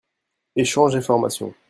Echange et formation.